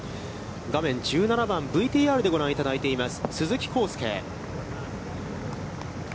画面１７番、ＶＴＲでご覧いただいています。